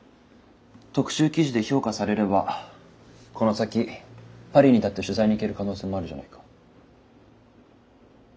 特集記事で評価されればこの先パリにだって取材に行ける可能性もあるじゃないか。